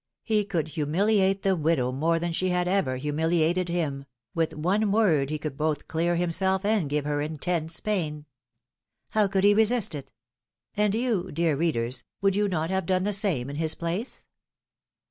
He could humiliate the widow more than she had ever humiliated him — with one word he could both clear himself and give her intense pain. How could he resist it? And you, dear readers, would you not have done the same in his place?